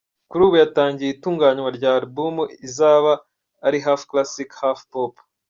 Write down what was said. Kuri ubu yatangiye itunganywa rya Album izaba ari ‘Half Classic- Half Pop’.